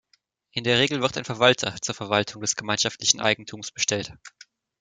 In der Regel wird ein Verwalter zur Verwaltung des gemeinschaftlichen Eigentums bestellt.